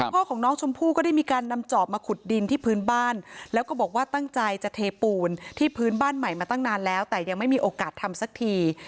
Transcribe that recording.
พ่อของน้องชมพู่ก็ได้มีการนำจอบมาขุดดินที่พื้นบ้านแล้วก็บอกว่าตั้งใจจะเทปูนที่พื้นบ้านใหม่มาตั้งนานแล้วแต่ยังไม่มีโอกาสทำสักที